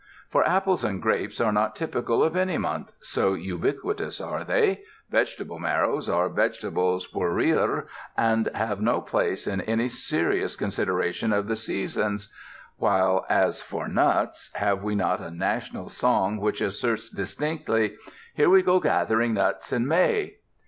For apples and grapes are not typical of any month, so ubiquitous are they, vegetable marrows are vegetables pour rire and have no place in any serious consideration of the seasons, while as for nuts, have we not a national song which asserts distinctly, "Here we go gathering nuts in May"?